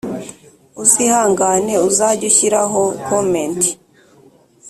uzihangane uzajye ushyiraho comment